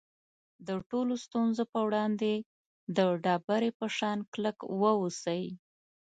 د ټولو ستونزو په وړاندې د ډبرې په شان کلک واوسئ.